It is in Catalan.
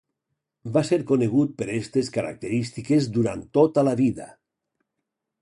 Va ser conegut per estes característiques durant tota la vida.